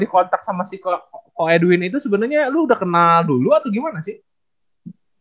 nah terus ceritanya lu tiba tiba dikontak sama si edwin itu sebenernya lu udah kenal dulu atau gimana sih